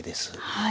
はい。